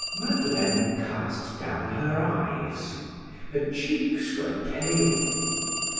Madeleine cast down her eyes; her cheeks were pale.